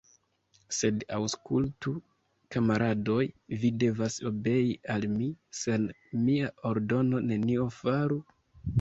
Sed aŭskultu, kamaradoj, vi devas obei al mi, sen mia ordono nenion faru?